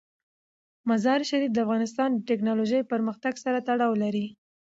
مزارشریف د افغانستان د تکنالوژۍ پرمختګ سره تړاو لري.